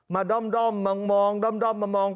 มาด้อมมามองมามอง